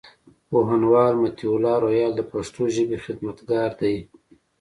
پوهنوال مطيع الله روهيال د پښتو ژبي خدمتګار دئ.